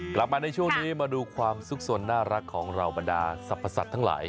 กลับมาในช่วงนี้มาดูความสุขสนน่ารักของเหล่าบรรดาสรรพสัตว์ทั้งหลาย